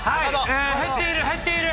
減っている減っている！